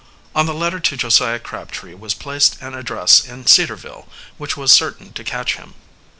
On the letter to Josiah Crabtree was placed an address in Cedarville which was certain to catch him.